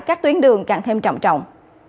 các tuyến đường càng thêm trọng trọng